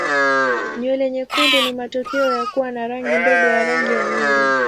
Nywele nyekundu ni matokeo ya kuwa na rangi ndogo ya rangi ya nywele.